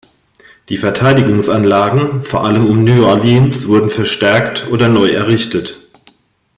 Die Verteidigungsanlagen, vor allem um New Orleans, wurden verstärkt oder neu errichtet.